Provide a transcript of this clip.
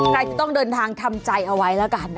กลายจะต้องเดินทางทำใจเอาไว้ละกัน